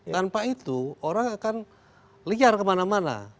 tanpa itu orang akan liar kemana mana